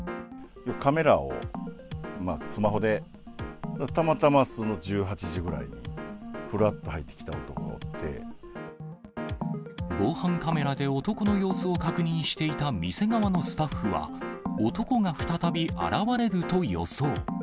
カメラをスマホで、たまたまその１８時ぐらいに、防犯カメラで男の様子を確認していた店側のスタッフは、男が再び現れると予想。